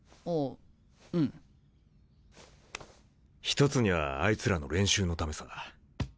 一つにはあいつらの練習のためさ。